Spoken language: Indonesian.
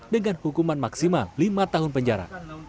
dengan hukuman maksimal lima tahun penjara